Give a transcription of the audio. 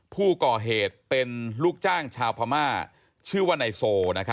ผู้ก่อเหตุเป็นลูกจ้างชาวพม่าชื่อว่านายโซ